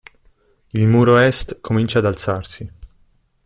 Il muro est comincia ad alzarsi.